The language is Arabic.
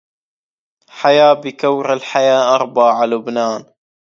حيا بكور الحيا أرباع لبنان